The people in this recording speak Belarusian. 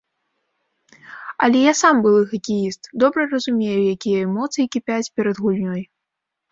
Але я сам былы хакеіст, добра разумею, якія эмоцыі кіпяць перад гульнёй.